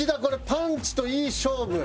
パンチといい勝負。